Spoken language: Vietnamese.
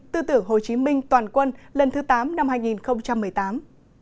tư tưởng hồ chí minh toàn quân lần thứ tám năm hai nghìn một mươi tám